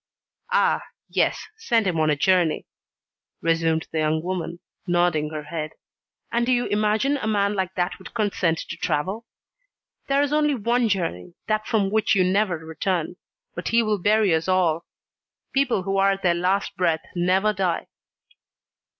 "Ah! yes, send him on a journey!" resumed the young woman, nodding her head. "And do you imagine a man like that would consent to travel? There is only one journey, that from which you never return. But he will bury us all. People who are at their last breath, never die."